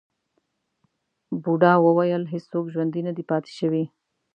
بوډا وویل هیڅوک ژوندی نه دی پاتې شوی.